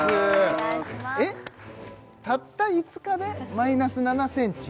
えったった５日でマイナス７センチ？